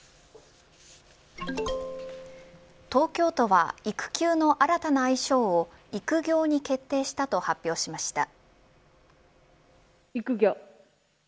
東京都は育休の新たな愛称を育業に決定したと発表しました。